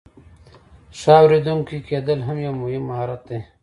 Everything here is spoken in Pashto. ښه اوریدونکی کیدل هم یو مهم مهارت دی.